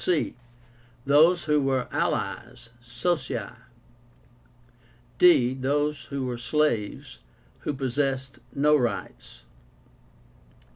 c. Those who were ALLIES (Socii). d. Those who were SLAVES, who possessed no rights.